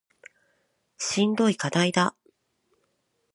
しんどい課題だ